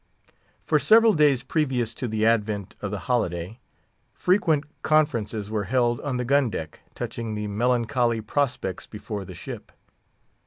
For several days previous to the advent of the holiday, frequent conferences were held on the gun deck touching the melancholy prospects before the ship.